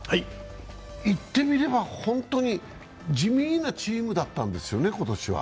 言ってみれば、本当に地味なチームだったんですよね、今年は。